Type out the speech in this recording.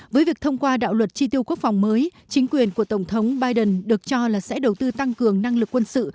với việc thông qua đạo luật tri tiêu quốc phòng mới chính quyền của tổng thống biden được cho là sẽ đầu tư tăng cường năng lực quân sự